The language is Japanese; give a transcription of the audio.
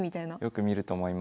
よく見ると思います。